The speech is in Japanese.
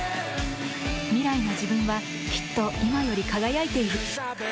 未来の自分はきっと今より輝いている。